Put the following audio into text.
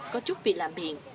có chút vị làm miệng